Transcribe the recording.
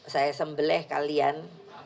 saya sembleh kalian